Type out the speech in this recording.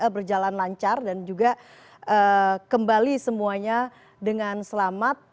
berjalan lancar dan juga kembali semuanya dengan selamat